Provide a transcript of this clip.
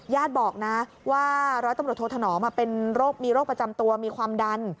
อ้อญาติบอกนะว่าร้อยตำรวจโทษธนอมมีโรคประจำตัวมีความดัน